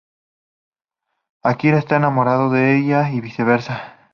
Akira está enamorado de ella y viceversa.